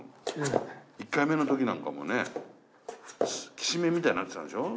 １回目の時なんかもねきしめんみたいになってたんでしょ？